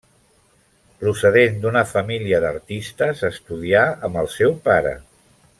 Procedent d'una família d'artistes, estudià amb el seu pare.